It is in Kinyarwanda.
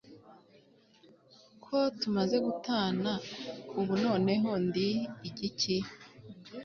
ko tumaze gutana, ubu noneho ndi igiki